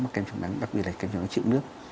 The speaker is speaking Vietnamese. mà kem chống nắng đặc biệt là kem chống nắng trịu nước